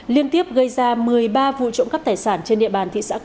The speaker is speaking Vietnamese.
liên tiếp gây ra một mươi ba vụ trộm cắp tài sản trên địa bàn thị xã cai lạc